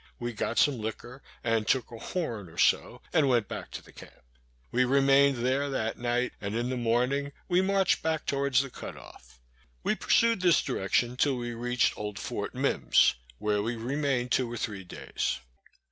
We got some liquor, and took a "horn" or so, and went back to the camp. We remained there that night, and in the morning we marched back towards the Cut off. We pursued this direction till we reached old Fort Mimms, where we remained two or three days.